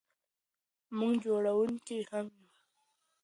موږ جوړونکي هم یو.